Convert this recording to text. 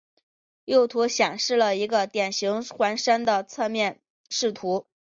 右图显示了一个典型环形山的侧面视图。